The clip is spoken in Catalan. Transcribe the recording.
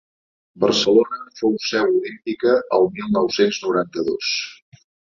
Barcelona fou seu olímpica el mil nou cents noranta-dos.